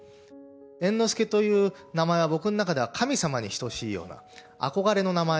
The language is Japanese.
猿之助という名前は、僕の中では神様に等しいような、憧れの名前。